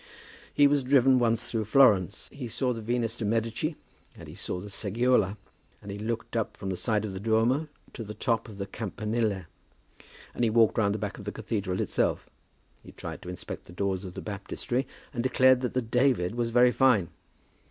He was driven once through Florence; he saw the Venus de' Medici, and he saw the Seggiola; he looked up from the side of the Duomo to the top of the Campanile, and he walked round the back of the cathedral itself; he tried to inspect the doors of the Baptistery, and declared that the "David" was very fine.